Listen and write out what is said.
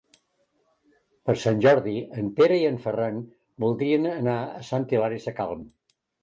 Per Sant Jordi en Pere i en Ferran voldrien anar a Sant Hilari Sacalm.